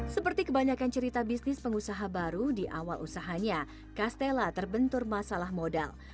seperti kebanyakan cerita bisnis pengusaha baru di awal usahanya castella terbentur masalah modal